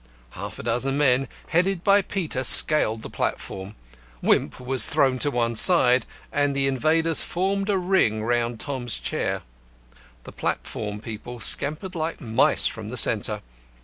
Half a dozen men headed by Peter scaled the platform. Wimp was thrown to one side, and the invaders formed a ring round Tom's chair. The platform people scampered like mice from the centre.